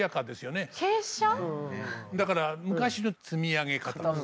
だから昔の積み上げ方ですね。